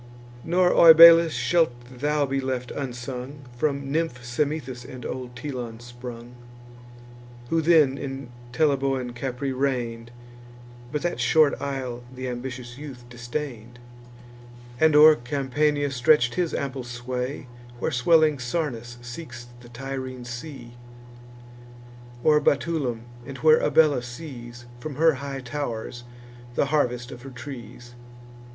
Nor Oebalus, shalt thou be left unsung, From nymph Semethis and old Telon sprung, Who then in Teleboan Capri reign'd; But that short isle th' ambitious youth disdain'd, And o'er Campania stretch'd his ample sway, Where swelling Sarnus seeks the Tyrrhene sea; O'er Batulum, and where Abella sees, From her high tow'rs, the harvest of her trees.